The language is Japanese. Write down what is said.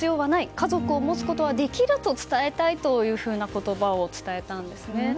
家族を持つことはできると伝えたいという言葉を伝えたんですね。